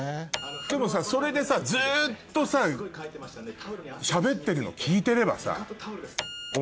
でもさそれでずっとさしゃべってるの聞いてればさ。